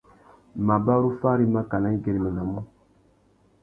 Mabarú fari mákànà i güeréménamú.